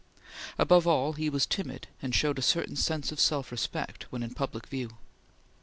Above all, he was timid and showed a certain sense of self respect, when in public view.